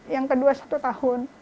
yang kedua satu tahun